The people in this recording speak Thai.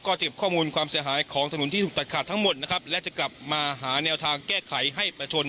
ก็เก็บข้อมูลความเสียหายของถนนที่ถูกตัดขาดทั้งหมดนะครับและจะกลับมาหาแนวทางแก้ไขให้ประชน